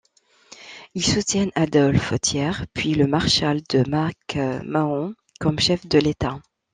Ils soutiennent Adolphe Thiers puis le maréchal de Mac-Mahon, comme chef de l'État.